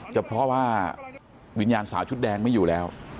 จะเพราะว่าวิญญาณสาวชุดแดงไม่อยู่แล้ว